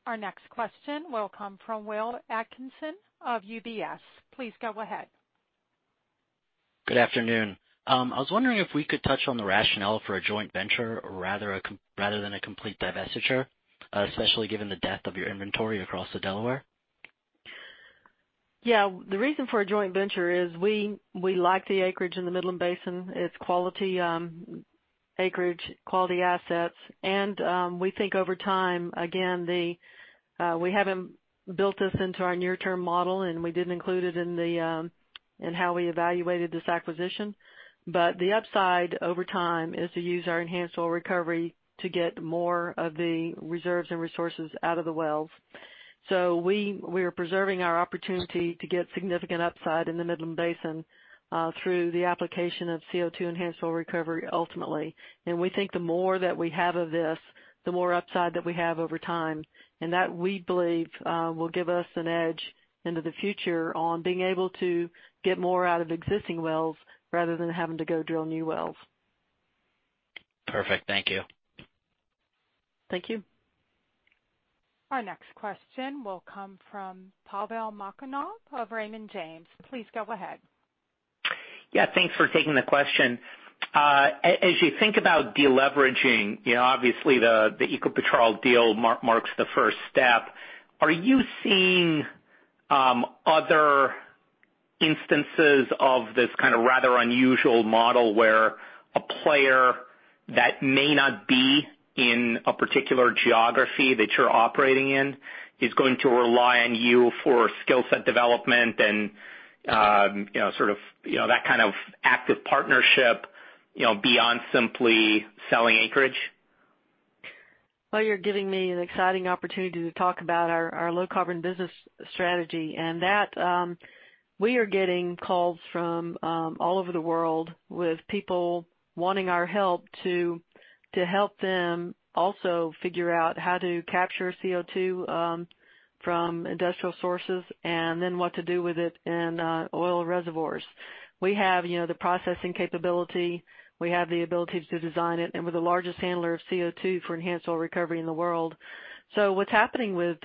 Our next question will come from Will Atkinson of UBS. Please go ahead. Good afternoon. I was wondering if we could touch on the rationale for a joint venture rather than a complete divestiture, especially given the depth of your inventory across the Delaware. Yeah. The reason for a joint venture is we like the acreage in the Midland Basin. It's quality acreage, quality assets. We think over time, again, we haven't built this into our near-term model, and we didn't include it in how we evaluated this acquisition. The upside over time is to use our enhanced oil recovery to get more of the reserves and resources out of the wells. We are preserving our opportunity to get significant upside in the Midland Basin through the application of CO2 enhanced oil recovery, ultimately. We think the more that we have of this, the more upside that we have over time, and that, we believe, will give us an edge into the future on being able to get more out of existing wells rather than having to go drill new wells. Perfect. Thank you. Thank you. Our next question will come from Pavel Molchanov of Raymond James. Please go ahead. Yeah. Thanks for taking the question. As you think about de-leveraging, obviously the Ecopetrol deal marks the first step. Are you seeing other instances of this kind of rather unusual model where a player that may not be in a particular geography that you're operating in is going to rely on you for skill set development and sort of that kind of active partnership, beyond simply selling acreage? You're giving me an exciting opportunity to talk about our low-carbon business strategy and that we are getting calls from all over the world with people wanting our help to help them also figure out how to capture CO2 from industrial sources and then what to do with it in oil reservoirs. We have the processing capability, we have the ability to design it, and we're the largest handler of CO2 for enhanced oil recovery in the world. What's happening with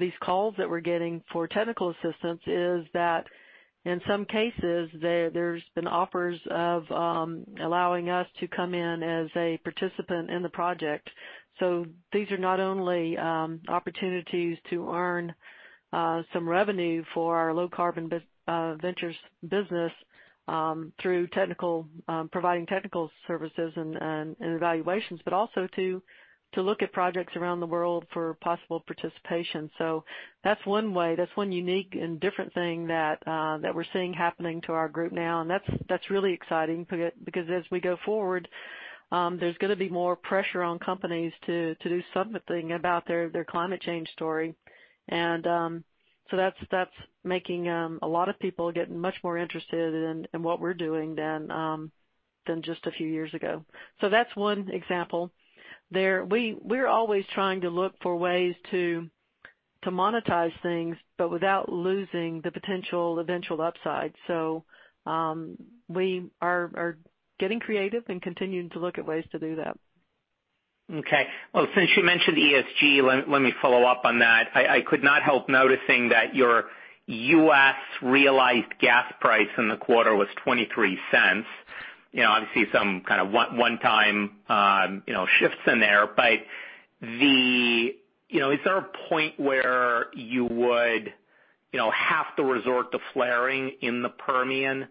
these calls that we're getting for technical assistance is that in some cases, there's been offers of allowing us to come in as a participant in the project. These are not only opportunities to earn some revenue for our low-carbon ventures business through providing technical services and evaluations, but also to look at projects around the world for possible participation. That's one way, that's one unique and different thing that we're seeing happening to our group now, and that's really exciting because as we go forward, there's going to be more pressure on companies to do something about their climate change story. That's making a lot of people get much more interested in what we're doing than just a few years ago. That's one example. We're always trying to look for ways to monetize things, but without losing the potential eventual upside. We are getting creative and continuing to look at ways to do that. Okay. Well, since you mentioned ESG, let me follow up on that. I could not help noticing that your U.S. realized gas price in the quarter was $0.23. Obviously, some kind of one-time shifts in there. Is there a point where you would have to resort to flaring in the Permian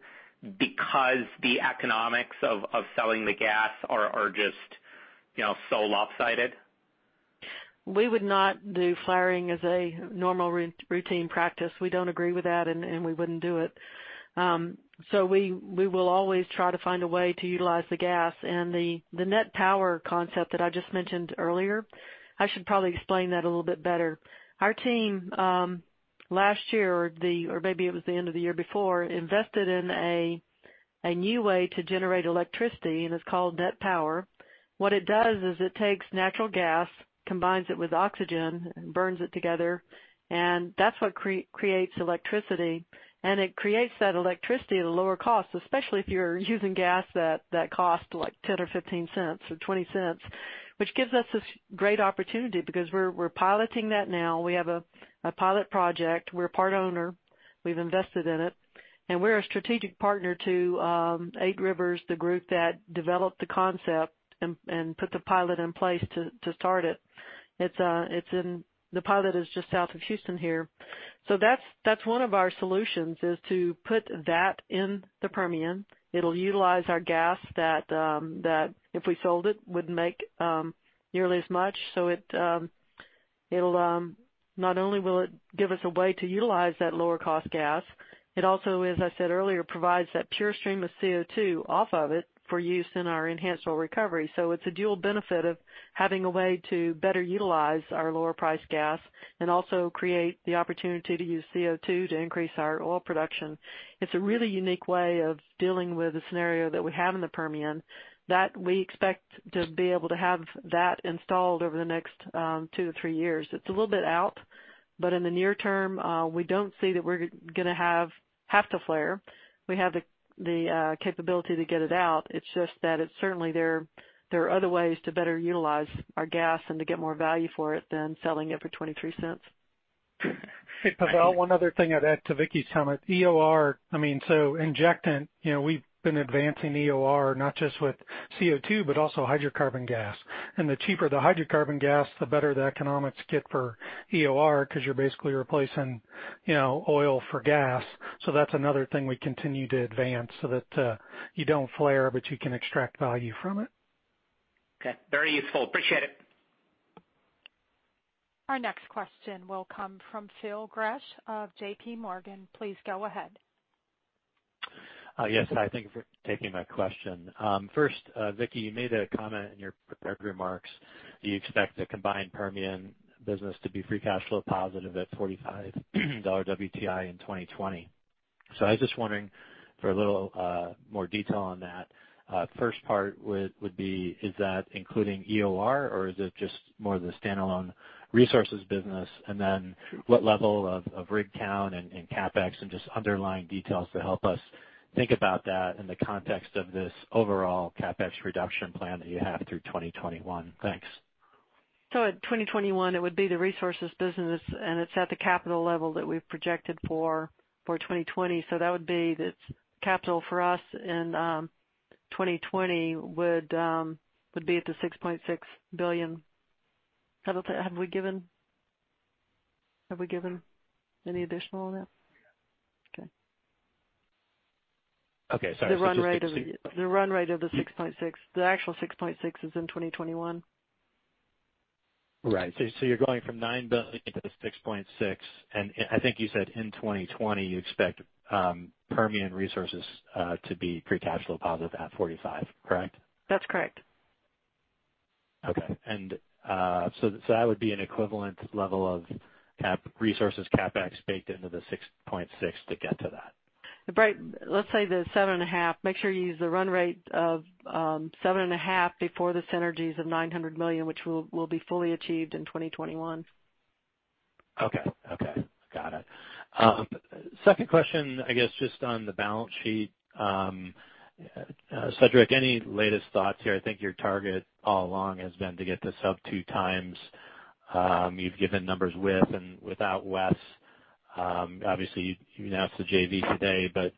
because the economics of selling the gas are just so lopsided? We would not do flaring as a normal routine practice. We don't agree with that, and we wouldn't do it. We will always try to find a way to utilize the gas and the NET Power concept that I just mentioned earlier. I should probably explain that a little bit better. Our team, last year, or maybe it was the end of the year before, invested in a new way to generate electricity, and it's called NET Power. What it does is it takes natural gas, combines it with oxygen and burns it together, and that's what creates electricity. It creates that electricity at a lower cost, especially if you're using gas that costs $0.10 or $0.15 or $0.20, which gives us a great opportunity because we're piloting that now. We have a pilot project. We're part owner. We've invested in it. We're a strategic partner to 8 Rivers, the group that developed the concept and put the pilot in place to start it. The pilot is just south of Houston here. That's one of our solutions, is to put that in the Permian. It'll utilize our gas that, if we sold it, wouldn't make nearly as much. Not only will it give us a way to utilize that lower cost gas, it also, as I said earlier, provides that pure stream of CO2 off of it for use in our enhanced oil recovery. It's a dual benefit of having a way to better utilize our lower priced gas and also create the opportunity to use CO2 to increase our oil production. It's a really unique way of dealing with the scenario that we have in the Permian, that we expect to be able to have that installed over the next two to three years. In the near term, we don't see that we're going to have to flare. We have the capability to get it out. It's just that certainly there are other ways to better utilize our gas and to get more value for it than selling it for $0.23. Hey, Pavel, one other thing I'd add to Vicki's comment. EOR, so injectant, we've been advancing EOR, not just with CO2, but also hydrocarbon gas. The cheaper the hydrocarbon gas, the better the economics get for EOR, because you're basically replacing oil for gas. That's another thing we continue to advance so that you don't flare, but you can extract value from it. Okay. Very useful. Appreciate it. Our next question will come from Phil Gresh of JPMorgan. Please go ahead. Yes. Hi, thank you for taking my question. First, Vicki, you made a comment in your prepared remarks that you expect the combined Permian business to be free cash flow positive at $45 WTI in 2020. I was just wondering for a little more detail on that. First part would be, is that including EOR or is it just more the standalone resources business? What level of rig count and CapEx and just underlying details to help us think about that in the context of this overall CapEx reduction plan that you have through 2021. Thanks. At 2021, it would be the resources business, and it's at the capital level that we've projected for 2020. That would be the capital for us in 2020 would be at the $6.6 billion. Have we given any additional on that? Yeah. Okay. Okay, sorry. The run rate of the 6.6, the actual 6.6 is in 2021. Right. You're going from $9 billion to the $6.6 billion, and I think you said in 2020, you expect Permian Resources to be free cash flow positive at $45, correct? That's correct. Okay. That would be an equivalent level of resources CapEx baked into the $6.6 to get to that. Let's say the $7.5. Make sure you use the run rate of $7.5 Before the synergies of $900 million, which will be fully achieved in 2021. Okay. Got it. Second question, I guess, just on the balance sheet. Cedric, any latest thoughts here? I think your target all along has been to get this up two times. You've given numbers with and without West. Obviously, you announced the JV today, but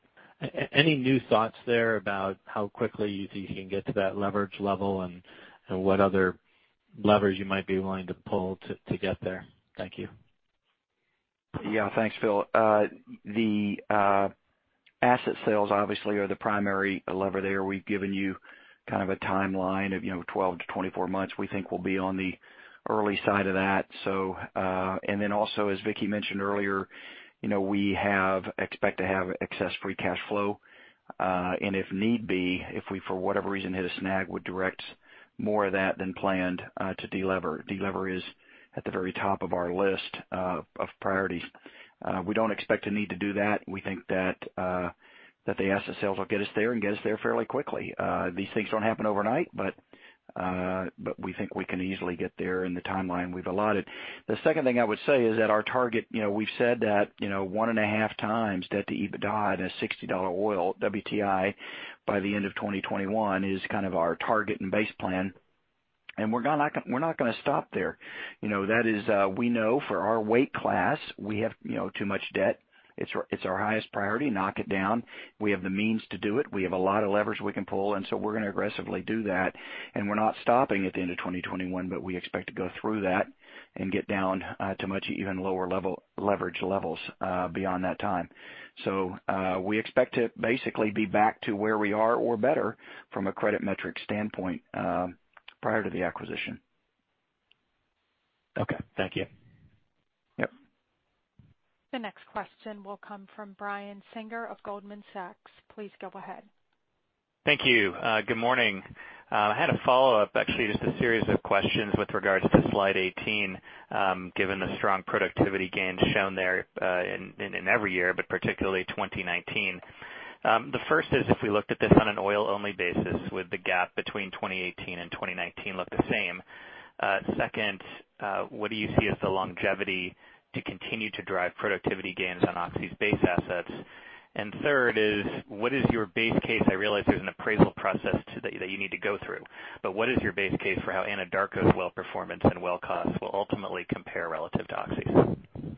any new thoughts there about how quickly you think you can get to that leverage level and what other levers you might be willing to pull to get there? Thank you. Thanks, Phil. The asset sales obviously are the primary lever there. We've given you kind of a timeline of 12 to 24 months. We think we'll be on the early side of that. Also, as Vicki mentioned earlier, we expect to have excess free cash flow. If need be, if we, for whatever reason, hit a snag, we'd direct more of that than planned to delever. Delever is at the very top of our list of priorities. We don't expect to need to do that. We think that the asset sales will get us there and get us there fairly quickly. These things don't happen overnight, we think we can easily get there in the timeline we've allotted. The second thing I would say is that our target, we've said that 1.5x debt to EBITDA at a $60 oil WTI by the end of 2021 is kind of our target and base plan. And we're not going to stop there. We know for our weight class, we have too much debt. It's our highest priority. Knock it down. We have the means to do it. We have a lot of leverage we can pull, and so we're going to aggressively do that. We're not stopping at the end of 2021, but we expect to go through that and get down to much even lower leverage levels beyond that time. We expect to basically be back to where we are or better from a credit metric standpoint prior to the acquisition. Okay. Thank you. Yep. The next question will come from Brian Singer of Goldman Sachs. Please go ahead. Thank you. Good morning. I had a follow-up, actually, just a series of questions with regards to slide 18, given the strong productivity gains shown there in every year, but particularly 2019. The first is, if we looked at this on an oil-only basis, would the gap between 2018 and 2019 look the same? Second, what do you see as the longevity to continue to drive productivity gains on Oxy's base assets? Third is, what is your base case? I realize there's an appraisal process that you need to go through, but what is your base case for how Anadarko's well performance and well costs will ultimately compare relative to Oxy's?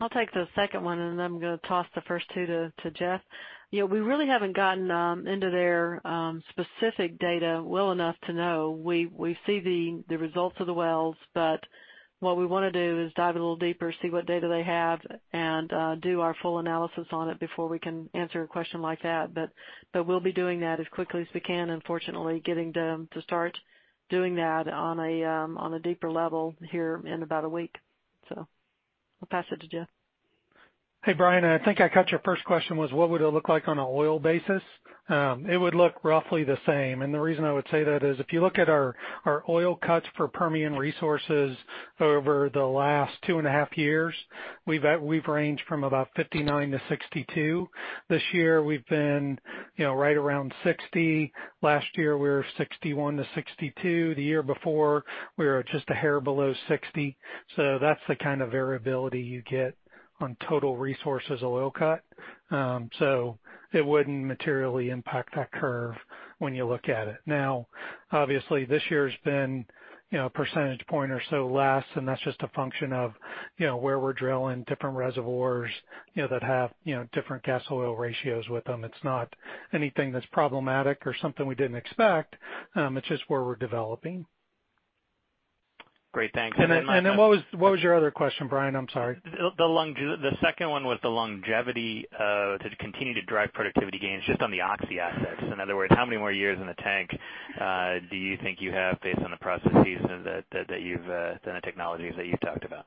I'll take the second one, and then I'm going to toss the first two to Jeff. We really haven't gotten into their specific data well enough to know. We see the results of the wells, but what we want to do is dive a little deeper, see what data they have, and do our full analysis on it before we can answer a question like that. We'll be doing that as quickly as we can, and fortunately getting to start doing that on a deeper level here in about a week. I'll pass it to Jeff. Hey, Brian. I think I got your first question was what would it look like on an oil basis? It would look roughly the same. The reason I would say that is if you look at our oil cuts for Permian Resources over the last two and a half years, we've ranged from about 59-62. This year we've been right around 60. Last year, we were 61-62. The year before, we were just a hair below 60. That's the kind of variability you get on total resources oil cut. Now, obviously, this year's been a percentage point or so less, and that's just a function of where we're drilling different reservoirs that have different gas oil ratios with them. It's not anything that's problematic or something we didn't expect. It's just where we're developing. Great. Thanks. What was your other question, Brian? I'm sorry. The second one was the longevity to continue to drive productivity gains just on the Oxy assets. In other words, how many more years in the tank do you think you have based on the processes and the technologies that you've talked about?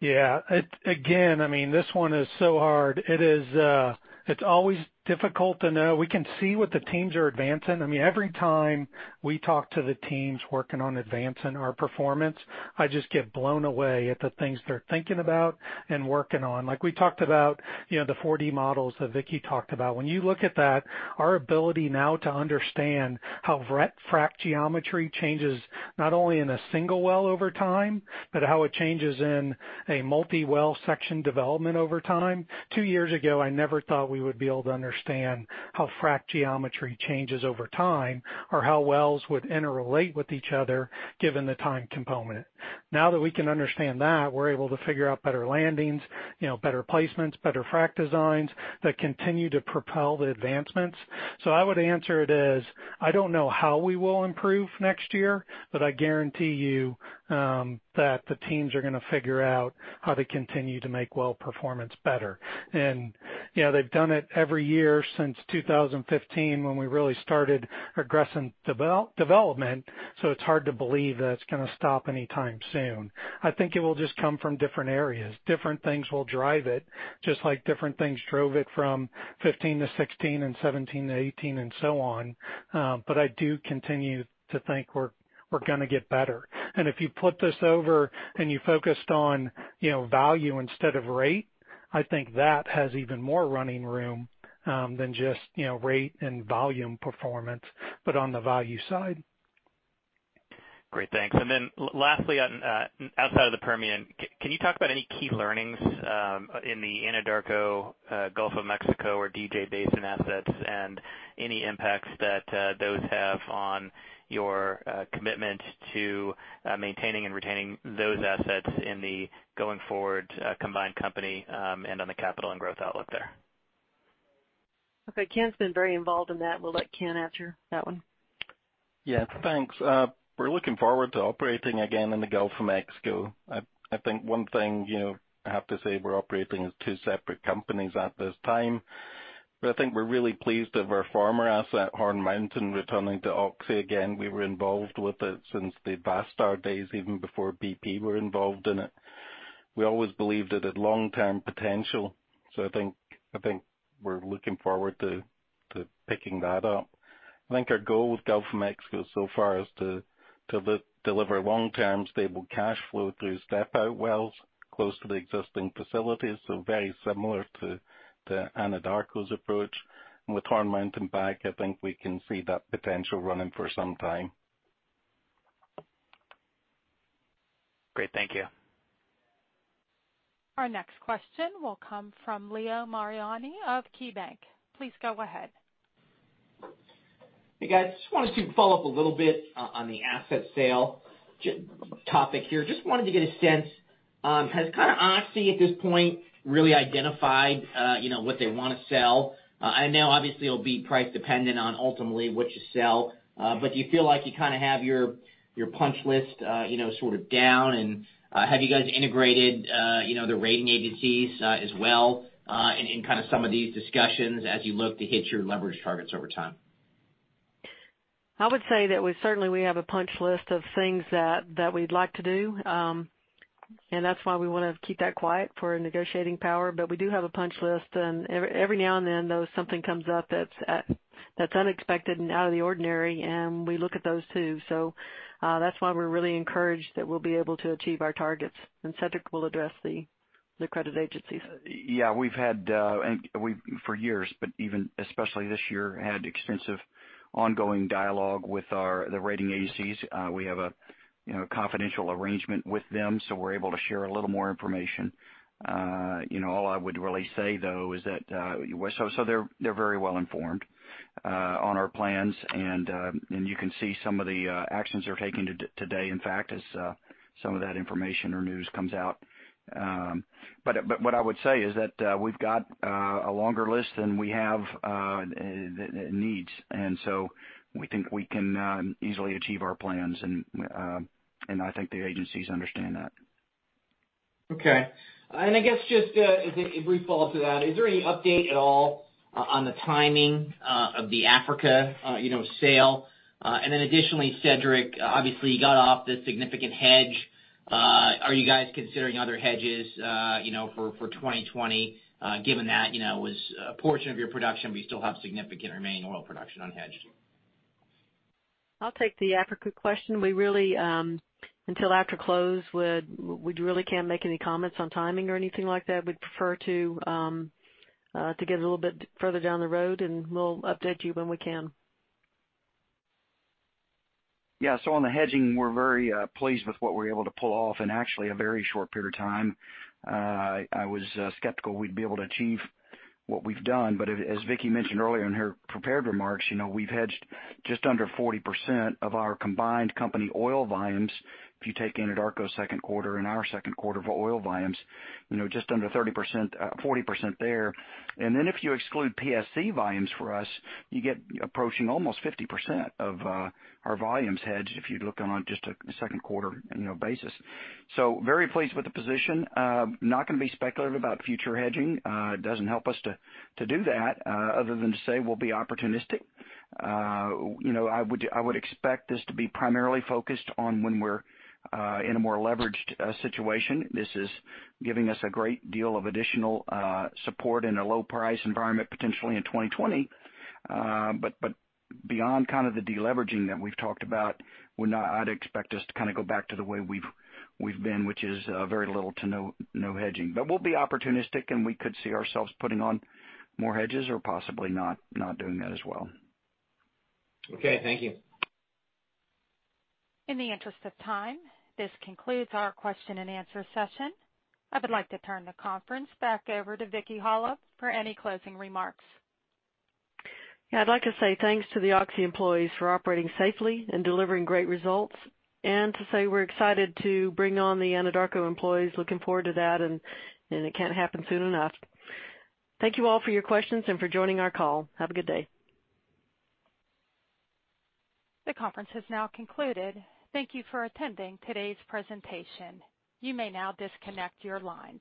Yeah. Again, this one is so hard. It's always difficult to know. We can see what the teams are advancing. Every time we talk to the teams working on advancing our performance, I just get blown away at the things they're thinking about and working on. Like we talked about the 4D models that Vicki talked about. When you look at that, our ability now to understand how frac geometry changes not only in a single well over time, but how it changes in a multi-well section development over time. Two years ago, I never thought we would be able to understand how frac geometry changes over time or how wells would interrelate with each other given the time component. Now that we can understand that, we're able to figure out better landings, better placements, better frac designs that continue to propel the advancements. I would answer it as, I don't know how we will improve next year, but I guarantee you that the teams are going to figure out how to continue to make well performance better. They've done it every year since 2015 when we really started aggressive development. It's hard to believe that it's going to stop anytime soon. I think it will just come from different areas. Different things will drive it, just like different things drove it from 2015 to 2016 and 2017 to 2018 and so on. I do continue to think we're going to get better. If you put this over and you focused on value instead of rate, I think that has even more running room than just rate and volume performance, but on the value side. Great. Thanks. Lastly, outside of the Permian, can you talk about any key learnings in the Anadarko Gulf of Mexico or DJ Basin assets and any impacts that those have on your commitment to maintaining and retaining those assets in the going forward combined company and on the capital and growth outlook there? Okay. Ken's been very involved in that. We'll let Ken answer that one. Yes. Thanks. We're looking forward to operating again in the Gulf of Mexico. I think one thing I have to say we're operating as two separate companies at this time, but I think we're really pleased that our former asset, Horn Mountain, returning to Oxy again. We were involved with it since the Vastar days, even before BP were involved in it. We always believed it had long-term potential. I think we're looking forward to picking that up. I think our goal with Gulf of Mexico so far is to deliver long-term stable cash flow through step-out wells close to the existing facilities, so very similar to Anadarko's approach. With Horn Mountain back, I think we can see that potential running for some time. Great. Thank you. Our next question will come from Leo Mariani of KeyBanc. Please go ahead. Hey, guys. Just wanted to follow up a little bit on the asset sale topic here. Just wanted to get a sense, has Oxy at this point really identified what they want to sell? I know obviously it'll be price dependent on ultimately what you sell. Do you feel like you have your punch list down? Have you guys integrated the rating agencies as well in some of these discussions as you look to hit your leverage targets over time? I would say that we certainly have a punch list of things that we'd like to do. That's why we want to keep that quiet for negotiating power. We do have a punch list, and every now and then, though, something comes up that's unexpected and out of the ordinary, and we look at those, too. That's why we're really encouraged that we'll be able to achieve our targets. Cedric will address the credit agencies. Yeah. We've had, for years, but even especially this year, had extensive ongoing dialogue with the rating agencies. We have a confidential arrangement with them, so we're able to share a little more information. All I would really say, though, is that they're very well-informed on our plans, and you can see some of the actions they're taking today, in fact, as some of that information or news comes out. What I would say is that we've got a longer list than we have needs. We think we can easily achieve our plans, and I think the agencies understand that. Okay. I guess just a brief follow-up to that, is there any update at all on the timing of the Africa sale? Additionally, Cedric, obviously you got off the significant hedge. Are you guys considering other hedges for 2020, given that it was a portion of your production, but you still have significant remaining oil production unhedged? I'll take the Africa question. We really, until after close, we really can't make any comments on timing or anything like that. We'd prefer to get a little bit further down the road, and we'll update you when we can. On the hedging, we're very pleased with what we were able to pull off in actually a very short period of time. I was skeptical we'd be able to achieve what we've done. As Vicki mentioned earlier in her prepared remarks, we've hedged just under 40% of our combined company oil volumes. If you take Anadarko's second quarter and our second quarter for oil volumes, just under 40% there. If you exclude PSC volumes for us, you get approaching almost 50% of our volumes hedged if you look on just a second quarter basis. Very pleased with the position. Not going to be speculative about future hedging. It doesn't help us to do that, other than to say we'll be opportunistic. I would expect this to be primarily focused on when we're in a more leveraged situation. This is giving us a great deal of additional support in a low-price environment, potentially in 2020. Beyond the de-leveraging that we've talked about, I'd expect us to go back to the way we've been, which is very little to no hedging. We'll be opportunistic, and we could see ourselves putting on more hedges or possibly not doing that as well. Okay. Thank you. In the interest of time, this concludes our question-and-answer session. I would like to turn the conference back over to Vicki Hollub for any closing remarks. Yeah. I'd like to say thanks to the Oxy employees for operating safely and delivering great results, and to say we're excited to bring on the Anadarko employees. Looking forward to that, and it can't happen soon enough. Thank you all for your questions and for joining our call. Have a good day. The conference has now concluded. Thank you for attending today's presentation. You may now disconnect your lines.